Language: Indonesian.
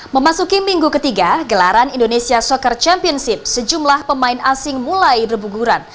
memasuki minggu ketiga gelaran indonesia soccer championship sejumlah pemain asing mulai berbuguran